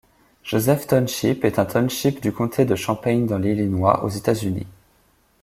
Joseph Township est un township du comté de Champaign dans l'Illinois, aux États-Unis.